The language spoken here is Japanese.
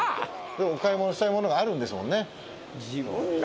お買い物したいものがあるんですもんね。